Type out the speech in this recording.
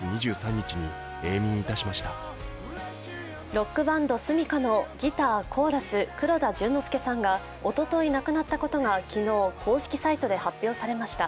ロックバンド・ｓｕｍｉｋａのギター・コーラス、黒田隼之介さんがおととい亡くなったことが昨日公式サイトで発表されました。